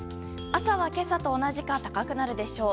朝は今朝と同じか高くなるでしょう。